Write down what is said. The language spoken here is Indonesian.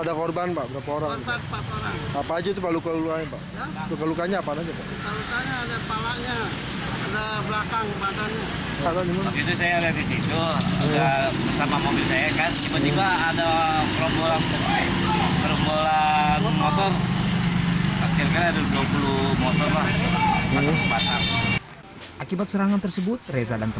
ruko ini berkumpul dengan sepeda motor